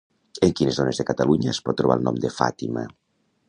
En quines zones de Catalunya es pot trobar el nom de Fátima?